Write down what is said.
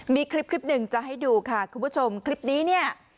มีคลิปคลิปหนึ่งจะให้ดูค่ะคุณผู้ชมคลิปนี้เนี่ย